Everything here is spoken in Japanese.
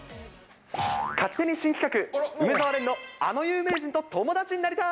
勝手に新企画、梅澤廉のあの有名人と友達になりたい。